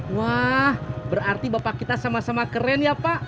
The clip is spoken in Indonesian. wah berarti bapak kita sama sama keren ya pak